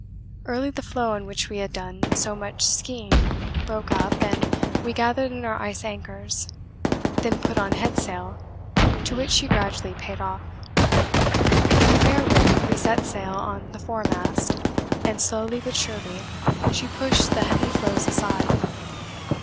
Early the floe on which we had done so much ski ing broke up, and we gathered in our ice anchors, then put on head sail, to which she gradually paid off. With a fair wind we set sail on the foremast, and slowly but surely she pushed the heavy floes aside.